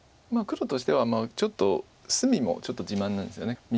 黒としては隅もちょっと自慢なんですよね。